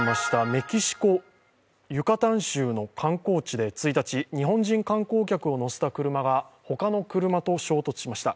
メキシコ・ユカタン州の観光地で１日、日本人観光客を乗せた車が他の車と衝突しました。